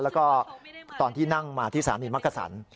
แล้วก็ตอนที่นั่งมาที่สถานีมักกษัน